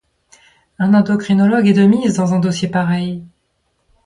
Un endocrinologue est de mise dans un dossier pareil.